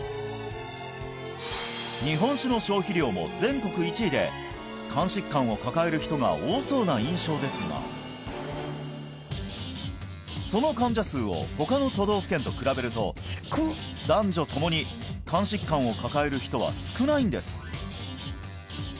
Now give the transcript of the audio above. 日本酒の消費量も全国１位で肝疾患をかかえる人が多そうな印象ですがその患者数を他の都道府県と比べると男女ともに肝疾患をかかえる人は少ないんです